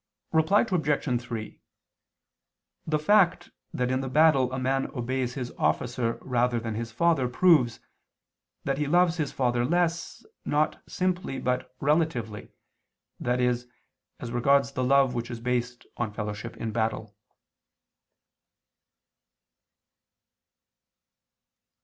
Reply Obj. 3: The fact that in the battle a man obeys his officer rather than his father proves, that he loves his father less, not simply [but] relatively, i.e. as regards the love which is based on fellowship in battle.